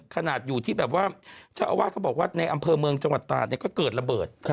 ขนาดอยู่ที่แบบว่าเจ้าอาวาสเขาบอกว่าในอำเภอเมืองจังหวัดตาดก็เกิดระเบิด